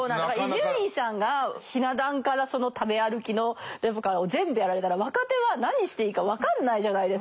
伊集院さんがひな壇からその食べ歩きのレポからを全部やられたら若手は何していいか分かんないじゃないですか。